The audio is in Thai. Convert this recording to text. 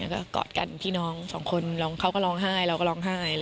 แล้วก็กอดกันพี่น้องสองคนเขาก็ร้องไห้เราก็ร้องไห้